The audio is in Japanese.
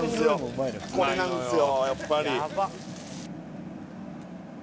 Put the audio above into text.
これなんですよ